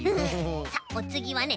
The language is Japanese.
さあおつぎはね